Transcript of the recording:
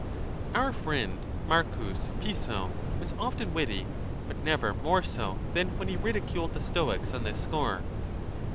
Our friend Marcus Piso was often witty, but never more so than when he ridi culed the Stoics on this score.